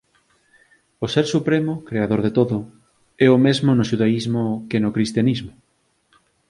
O ser supremo, creador de todo, é o mesmo no xudaísmo que no cristianismo